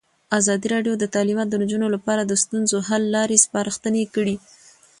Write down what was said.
ازادي راډیو د تعلیمات د نجونو لپاره د ستونزو حل لارې سپارښتنې کړي.